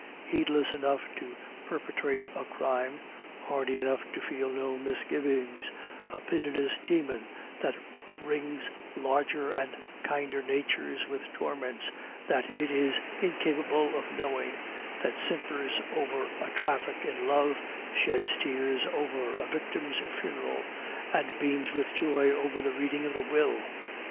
Heedless enough to perpetrate a crime, hardy enough to feel no misgivings; a pitiless demon that wrings larger and kinder natures with torments that it is incapable of knowing, that simpers over a traffic in love, sheds tears over a victim's funeral, and beams with joy over the reading of the will.